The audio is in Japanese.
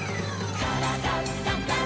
「からだダンダンダン」